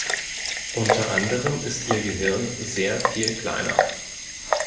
Unter anderem ist ihr Gehirn sehr viel kleiner.